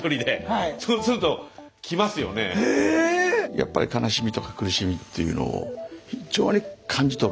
やっぱり悲しみとか苦しみっていうのを非常に感じ取る。